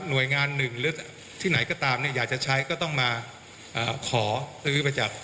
หน่วยงานหนึ่งที่ไหนก็ตามอยากจะใช้ก็ต้องมาขอซื้อไปจาก